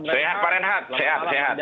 sehat pak renhat sehat sehat